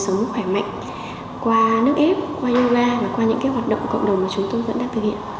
chúng tôi là một số khỏe mạnh qua nước ép qua yoga và qua những cái hoạt động của cộng đồng mà chúng tôi vẫn đang thực hiện